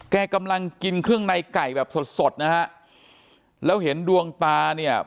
กำลังกินเครื่องในไก่แบบสดสดนะฮะแล้วเห็นดวงตาเนี่ย